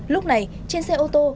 lúc này trên xe ô tô